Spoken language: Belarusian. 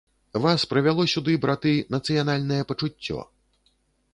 Вас прывяло сюды, браты, нацыянальнае пачуццё.